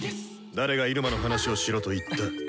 誰がイルマの話をしろと言った。